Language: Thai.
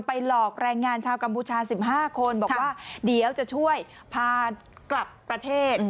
หลอกแรงงานชาวกัมพูชา๑๕คนบอกว่าเดี๋ยวจะช่วยพากลับประเทศ